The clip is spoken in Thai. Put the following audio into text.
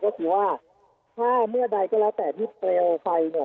ก็คิดว่าถ้าเมื่อใดก็ระแตะที่เกรลไฟเนี่ย